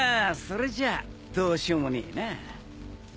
それじゃどうしようもねえな。